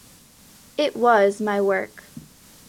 It was my work.